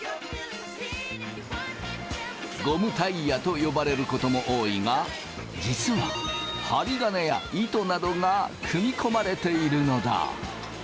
ゴムタイヤと呼ばれることも多いが実は針金や糸などが組み込まれているのだ。